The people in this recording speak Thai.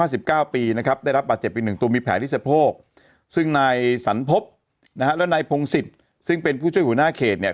สันพบนะฮะแล้วนายพงศิษย์ซึ่งเป็นผู้ช่วยหัวหน้าเขตเนี่ย